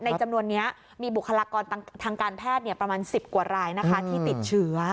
จำนวนนี้มีบุคลากรทางการแพทย์ประมาณ๑๐กว่ารายนะคะที่ติดเชื้อ